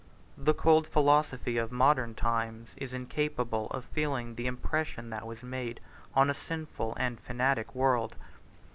28 The cold philosophy of modern times is incapable of feeling the impression that was made on a sinful and fanatic world.